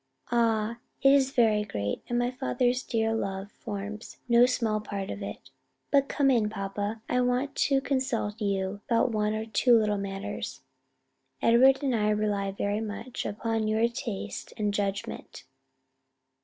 "Ah, it is very great, and my father's dear love forms no small part of it. But come in, papa, I want to consult you about one or two little matters; Edward and I rely very much upon your taste and judgment."